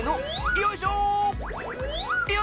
よいしょ！